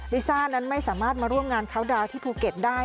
ลิซ่านั้นไม่สามารถมาร่วมงานชาวดาวที่ภูเก็ตได้